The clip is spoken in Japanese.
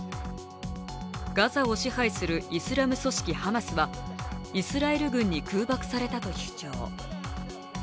ガザを支配するイスラム組織ハマスはイスラエル軍に空爆されたと主張。